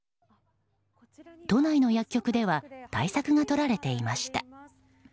都内の薬局では対策がとられていました。